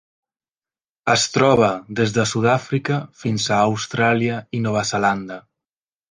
Es troba des de Sud-àfrica fins a Austràlia i Nova Zelanda.